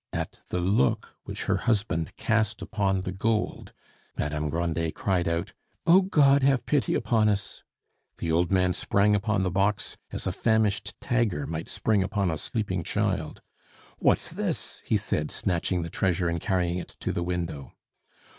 At the look which her husband cast upon the gold, Madame Grandet cried out, "O God, have pity upon us!" The old man sprang upon the box as a famished tiger might spring upon a sleeping child. "What's this?" he said, snatching the treasure and carrying it to the window.